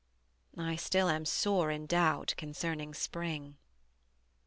I still am sore in doubt concerning Spring.